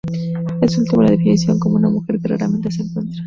Este último la definió como "una mujer que raramente se encuentra".